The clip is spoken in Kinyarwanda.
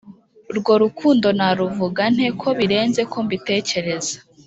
Rwo rukundo naruvuga nte ko birenze ko mbitekereza